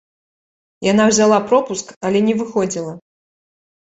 Яна ўзяла пропуск, але не выходзіла.